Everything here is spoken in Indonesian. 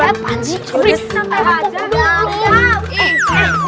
yaudah sekarang aku naik dulu